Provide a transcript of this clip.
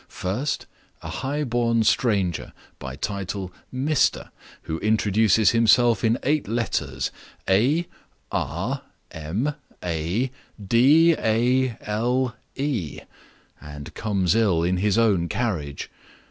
First, a high born stranger (by title Mister) who introduces himself in eight letters, A, r, m, a, d, a, l, e and comes ill in his own carriage.